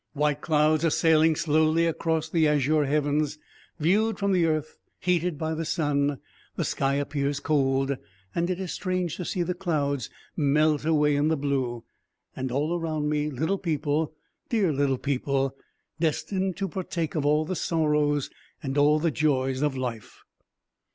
White clouds are sailing slowly across the azure heavens. Viewed from the earth, heated by the sun, the sky appears cold, and it is strange to see the clouds melt away in the blue. And all around me little people, dear little people, destined to partake of all the sorrows and all the joys of life.